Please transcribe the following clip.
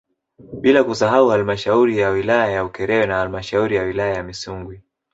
Bila kusahau halmashauri ya wilaya ya Ukerewe na halmashauri ya wilaya ya Misungwi